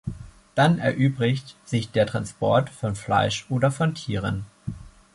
Dann erübrigt sich der Transport von Fleisch oder von Tieren.